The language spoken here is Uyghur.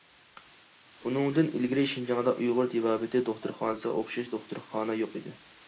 ئۇنىڭدىن ئىلگىرى شىنجاڭدا ئۇيغۇر تېبابىتى دوختۇرخانىسىغا ئوخشاش دوختۇرخانا يوق ئىدى.